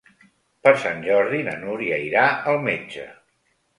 Per Sant Jordi na Núria irà al metge.